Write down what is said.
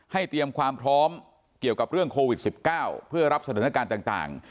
เตรียมความพร้อมเกี่ยวกับเรื่องโควิด๑๙เพื่อรับสถานการณ์ต่าง